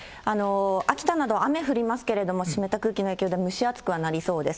秋田など雨降りますけど、湿った空気の影響で蒸し暑くはなりそうです。